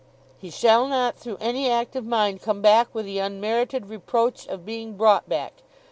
'He shall not, through any act of mine, come back wi' the unmerited reproach of being brought back.